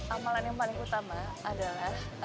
amalan yang paling utama adalah